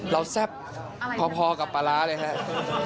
แซ่บพอกับปลาร้าเลยครับ